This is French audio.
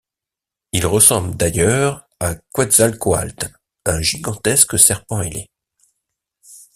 Il ressemble d'ailleurs à Quetzalcoatl, un gigantesque serpent ailé...